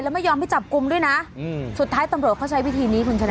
แล้วไม่ยอมให้จับกลุ่มด้วยนะอืมสุดท้ายตำรวจเขาใช้วิธีนี้เพราะฉะนั้น